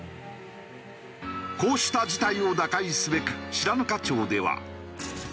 こうした事態を打開すべく白糠町では。